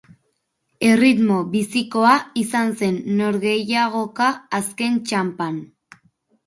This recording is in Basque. Erritmo bizikoa izan zen norgehiagoka azken txanpan.